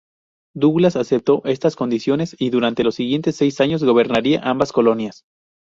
Douglas aceptó estas condiciones, y durante los siguientes seis años gobernaría ambas colonias.